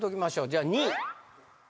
じゃあ２位。